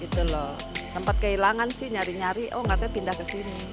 tempat kehilangan sih nyari nyari oh katanya pindah ke sini